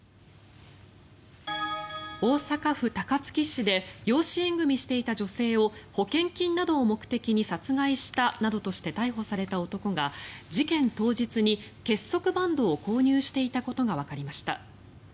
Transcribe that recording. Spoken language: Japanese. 大阪府高槻市で養子縁組していた女性を保険金などを目的に殺害したとして逮捕された男が、事件当日に結束バンドを購入していたことがわかりました。